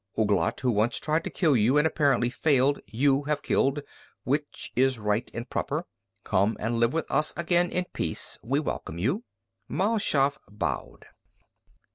Ouglat, who once tried to kill you and apparently failed, you have killed, which is right and proper. Come and live with us again in peace. We welcome you." Mal Shaff bowed.